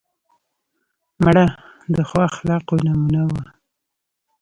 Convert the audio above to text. مړه د ښو اخلاقو نمونه وه